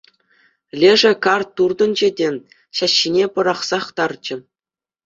Лешӗ карт туртӑнчӗ те ҫӗҫҫине пӑрахсах тарчӗ.